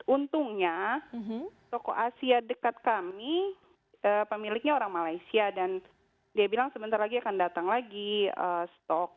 untungnya toko asia dekat kami pemiliknya orang malaysia dan dia bilang sebentar lagi akan datang lagi stok